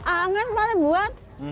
anget sekali buat